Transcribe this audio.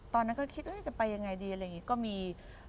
ตอนนั้นก็คิดว่าจะไปยังไงดี